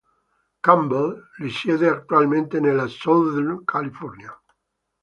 Campbell risiede attualmente nella Southern California.